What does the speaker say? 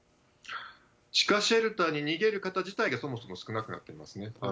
地下シェルターに逃げる方自体がそもそも少なくなっていますね。